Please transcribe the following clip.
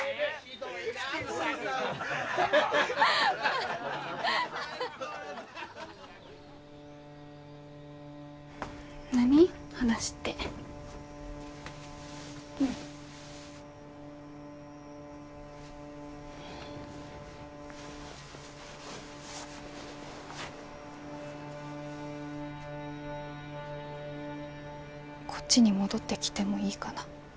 こっちに戻ってきてもいいかな？